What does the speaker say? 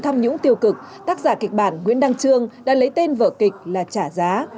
tham nhũng tiêu cực tác giả kịch bản nguyễn đăng trương đã lấy tên vở kịch là trả giá